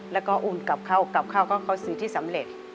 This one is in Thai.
แล้วก็โอนกลับเข้ากลับเข้าก็เขาซื้อที่สำเร็จ